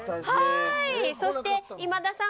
そして今田さん